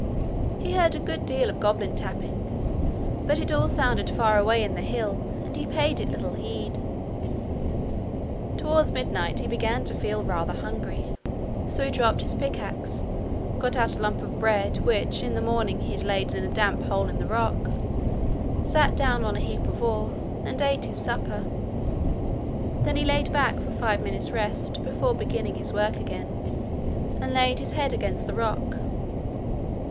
He heard a good deal of goblin tapping, but it all sounded far away in the hill, and he paid it little heed. Towards midnight he began to feel rather hungry; so he dropped his pickaxe, got out a lump of bread which in the morning he had laid in a damp hole in the rock, sat down on a heap of ore, and ate his supper. Then he leaned back for five minutes' rest before beginning his work again, and laid his head against the rock.